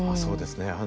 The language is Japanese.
そうですね。